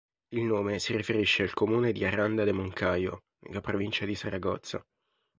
Il nome si riferisce al comune di Aranda de Moncayo, nella provincia di Saragozza.